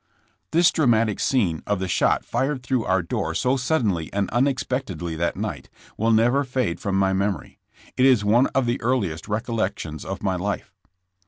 This dramatic scene of the shot fired through our door so suddenly and unexpectedly that night, will never fade from my memory. It is one of the earliest recollections of my life.